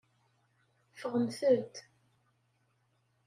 Ffɣemt-d.